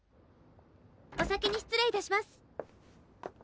お先に失礼いたします。